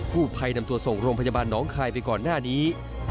ผู้ภัยนำตัวส่งโรงพยาบาลน้องคายไปก่อนหน้านี้